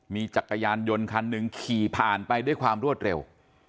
มีจักรยานยนต์คันหนึ่งขี่ผ่านไปด้วยความรวดเร็ว